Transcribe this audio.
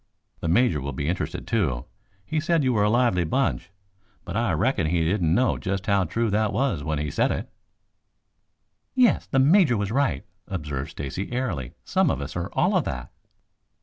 The Major will be interested, too. He said you were a lively bunch, but I reckon he didn't know just how true that was when he said it." "Yes, the Major was right," observed Stacy airily. "Some of us are all of that."